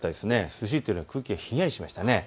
涼しいというか空気がひんやりしました。